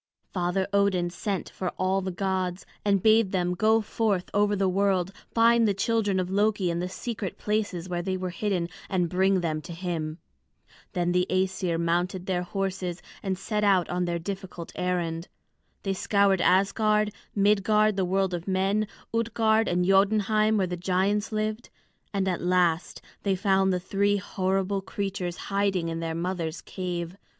Father Odin sent for all the gods, and bade them go forth over the world, find the children of Loki in the secret places where they were hidden, and bring them to him. Then the Æsir mounted their horses and set out on their difficult errand. They scoured Asgard, Midgard the world of men, Utgard and Jotunheim where the giants lived. And at last they found the three horrible creatures hiding in their mother's cave.